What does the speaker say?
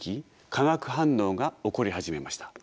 化学反応が起こり始めました。